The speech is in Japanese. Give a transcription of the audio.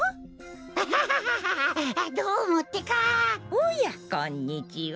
おやこんにちは。